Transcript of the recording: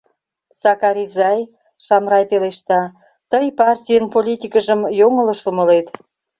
— Сакар изай, — Шамрай пелешта, — тый партийын политикыжым йоҥылыш умылет.